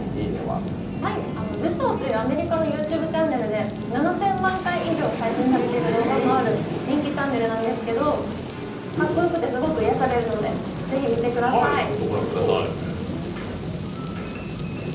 「Ｒｏｕｓｓｅａｕ」というアメリカのＹｏｕＴｕｂｅチャンネルで７０００万回以上再生されている動画もある人気チャンネルなんですけど、かっこよくてすごく癒やされるので、ぜひ見てください。